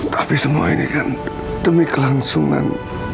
tapi semua ini kan demi kelangsungan